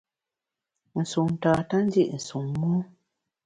Nsun tata ndi’ nsun mon.